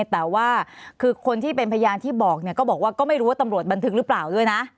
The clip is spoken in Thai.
แต่ว่าคือคนที่เป็นพยานที่บอกเนี่ยก็บอกว่าก็ไม่รู้ว่าตำรวจบันทึกหรือเปล่าด้วยนะ